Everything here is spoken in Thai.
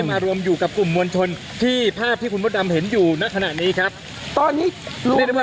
ทางกลุ่มมวลชนทะลุฟ้าทางกลุ่มมวลชนทะลุฟ้า